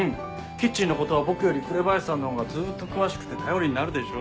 キッチンのことは僕より紅林さんのほうがずっと詳しくて頼りになるでしょ。